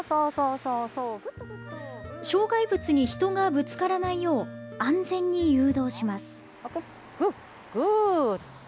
障害物に人がぶつからないよう安全に誘導します。